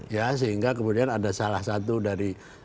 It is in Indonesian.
ya sehingga kemudian ada salah satu dari